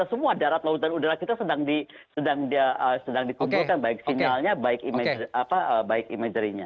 dan data semua darat laut dan udara kita sedang dikumpulkan baik sinyalnya baik imagery nya